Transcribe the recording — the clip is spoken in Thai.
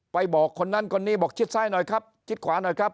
บอกคนนั้นคนนี้บอกชิดซ้ายหน่อยครับชิดขวาหน่อยครับ